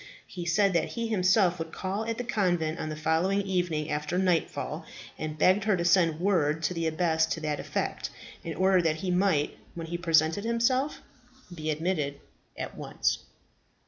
He said that he himself would call at the convent on the following evening after nightfall, and begged her to send word to the abbess to that effect, in order that he might, when he presented himself, be admitted at once.